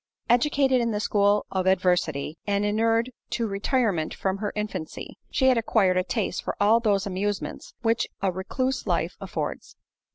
Educated in the school of adversity, and inured to retirement from her infancy, she had acquired a taste for all those amusements which a recluse life affords.